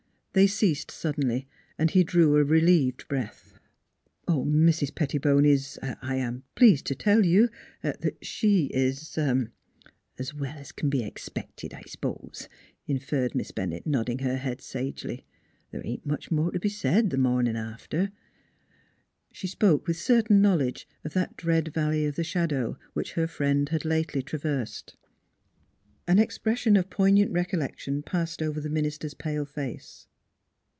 They ceased suddenly, and he drew a relieved breath. " Mrs. Pettibone is I am pleased to tell you that she is "" 'S well 's c'n be expected, I s'pose," inferred Miss Bennett, nodding her head sagely. " Th' ain't much more t' be said th' mornin' after." She spoke with certain knowledge of that dread Valley of the Shadow, which her friend had lately traversed. An expression of poignant recollection passed over the minister's pale face.